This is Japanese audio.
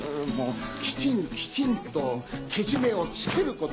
きちんきちんとけじめをつけること。